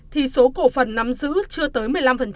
thì số cổ phần nắm giữ chưa tới một mươi năm